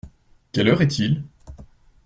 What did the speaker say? Quelle heure est-il?